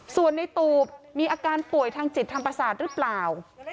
ส่วนในตูบมีอาการป่วยทางจิตทางประสาทหรือเปล่า